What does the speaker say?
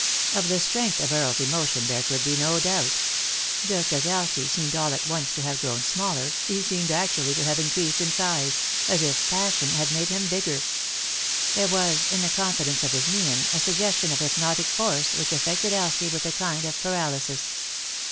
Of the strength of Earle's emotion there could be no doubt. Just as Elsie seemed all at once to have grown smaller, he seemed actually to have increased in size ; as if passion had made him bigger. There was, in the confidence of his mien, a suggestion of hypnotic force which affected Elsie with a kind of paralysis.